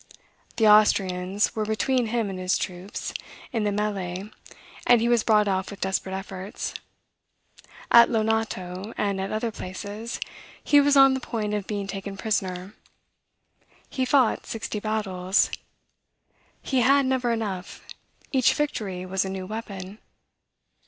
The Austrians were between him and his troops, in the melee, and he was brought off with desperate efforts. At Lonato, and at other places, he was on the point of being taken prisoner. He fought sixty battles. He had never enough. Each victory was a new weapon.